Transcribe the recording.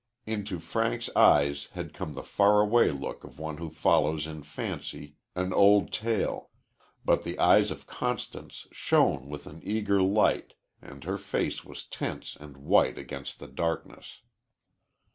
Into Frank's eyes had come the far away look of one who follows in fancy an old tale, but the eyes of Constance shone with an eager light and her face was tense and white against the darkness.